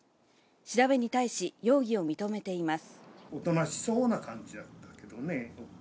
調べに対し、容疑を認めています。